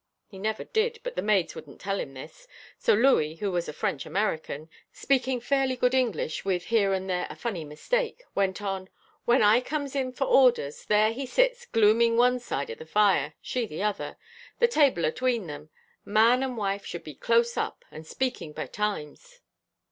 He never did, but the maids wouldn't tell him this, so Louis, who was a French American, speaking fairly good English with here and there a funny mistake, went on. "When I comes in for orders, there he sits glooming one side of the fire, she the other the table a tween them. Man and wife should be close up, and speaking by times."